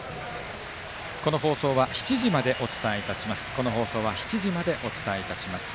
この放送は７時までお伝えいたします。